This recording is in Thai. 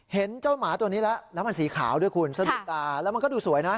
เห็นเจ้าหมาตัวนี้แล้วน้ำมันสีขาวด้วยคุณสะดุดตาแล้วมันก็ดูสวยนะ